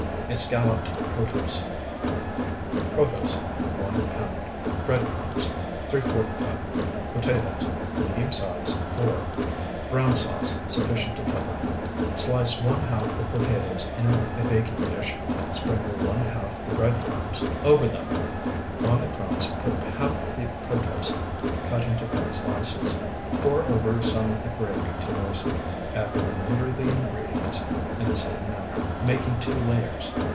ESCALLOPED PROTOSE Protose, 1 pound. Bread crumbs, ¾ cup. Potatoes, medium size, 4. Brown sauce, sufficient to cover. Slice one half the potatoes in a baking dish, sprinkle one half the bread crumbs over them; on the crumbs put half the protose cut into thin slices; pour over some of the gravy to moisten. Add the remainder of the ingredients in the same manner, making two layers.